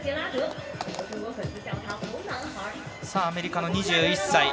アメリカの２１歳。